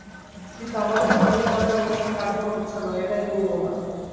কিন্তু আমাদের স্থানীয় সরকারব্যবস্থা কার্যকর হচ্ছে না, এটা আমি বলব না।